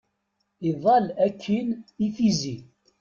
Iḍal akkin i tizi.